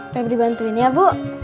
febri bantuin ya bu